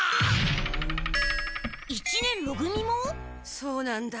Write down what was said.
そうなんだ。